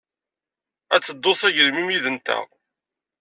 Ad tedduḍ s agelmim yid-nteɣ?